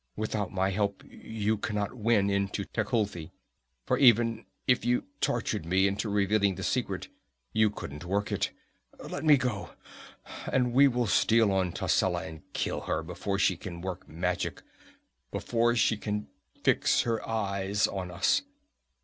Without my help you cannot win into Tecuhltli; for even if you tortured me into revealing the secret, you couldn't work it. Let me go, and we will steal on Tascela and kill her before she can work magic before she can fix her eyes on us.